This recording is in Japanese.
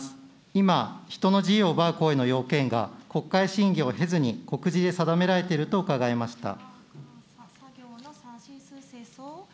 今、人の自由を奪う行為の要件が、国会審議を経ずに、告示で定められていると伺いました。